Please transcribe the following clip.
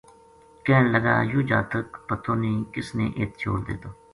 کہن لگا یوہ جاتک پتو نے کسنے اِت چھوڈ دِتو